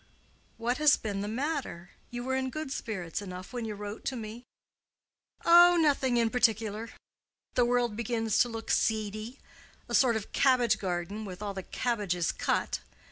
"What has been the matter? You were in good spirits enough when you wrote to me." "Oh, nothing in particular. The world began to look seedy—a sort of cabbage garden with all the cabbages cut.